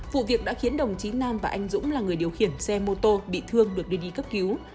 vụ việc đã khiến đồng chí nam và anh dũng là người điều khiển xe mô tô bị thương được đưa đi cấp cứu